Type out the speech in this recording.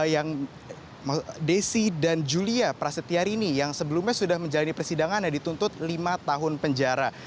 yang desi dan julia prasetyarini yang sebelumnya sudah menjalani persidangan yang dituntut lima tahun penjara